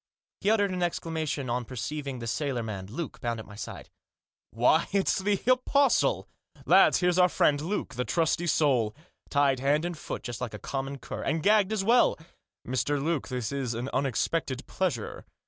He uttered an exclamation on per ceiving the sailor man, Luke, bound, at my side. u Why, it's the Apostle ! Lads, here's our friend, Luke ! The trusty soul ! Tied hand and foot, just like a common cur — and gagged as well ! Mr. Luke, this is an unexpected pleasure